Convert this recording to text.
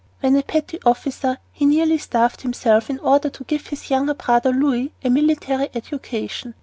When a petty officer he nearly starved himself in order to give his younger brother, Louis, a military education.